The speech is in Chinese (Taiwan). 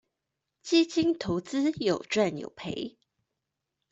基金投資有賺有賠